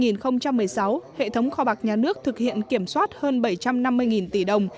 năm hai nghìn một mươi sáu hệ thống kho bạc nhà nước thực hiện kiểm soát hơn bảy trăm năm mươi tỷ đồng